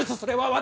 私！